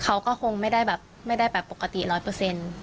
เขาก็คงไม่ได้แบบไม่ได้แบบปกติร้อยเปอร์เซ็นต์